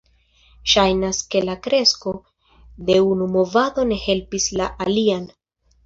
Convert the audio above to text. Ŝajnas ke la kresko de unu movado ne helpis la alian.